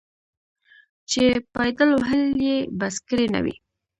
چې پایدل وهل یې بس کړي نه وي.